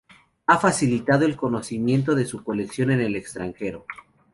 Ha facilitado el conocimiento de su colección en el extranjero.